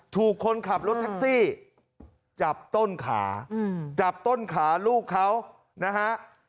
ถูกคนขับรถแท็กซี่จับต้นขาจับต้นขาลูกเขานะฮะ